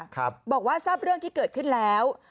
บอกว่าทราบเรื่องที่เกิดขึ้นแล้ว